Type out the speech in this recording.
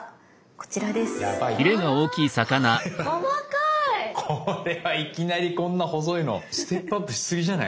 これはいきなりこんな細いのステップアップしすぎじゃない？